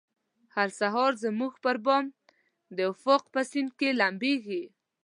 هر سهار زموږ پربام د افق په سیند کې لمبیږې